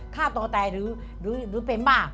ฆ่าตัวตายหรือเป็นบ้า